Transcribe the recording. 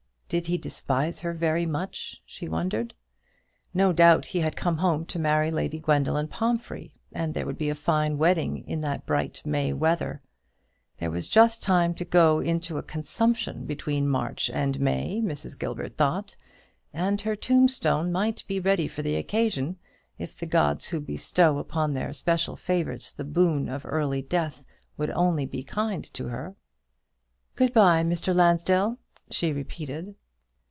Did he despise her very much? she wondered. No doubt he had come home to marry Lady Gwendoline Pomphrey, and there would be a fine wedding in the bright May weather. There was just time to go into a consumption between March and May, Mrs. Gilbert thought; and her tombstone might be ready for the occasion, if the gods who bestow upon their special favourites the boon of early death would only be kind to her. "Good bye, Mr. Lansdell," she repeated.